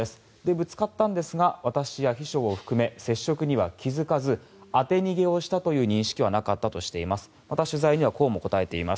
ぶつかったんですが私や秘書を含め接触には気付かず当て逃げをしたという認識はなかったとしています。